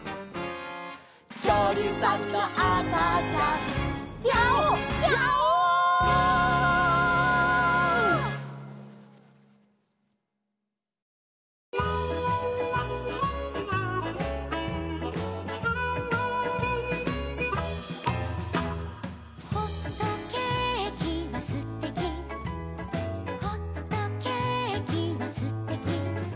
「きょうりゅうさんのあかちゃん」「ギャオギャオ」「ほっとけーきはすてき」「ほっとけーきはすてき」